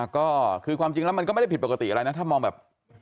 ก็คือความจริงแล้วมันก็ไม่ได้ผิดปกติอะไรนะถ้ามองแบบ